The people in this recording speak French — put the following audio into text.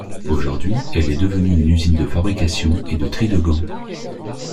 Aujourd’hui elle est devenue une usine de fabrication et de tri de gants.